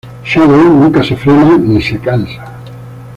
Shadow nunca se frena ni se cansa.